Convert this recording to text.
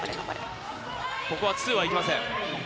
ここはツーはいきません。